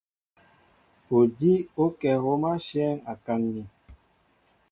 Odíw ó kɛ̌ hǒm ashɛ̌ŋ a kaŋ̀in.